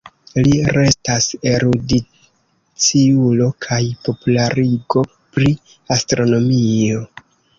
Li restas erudiciulo kaj popularigo pri astronomio.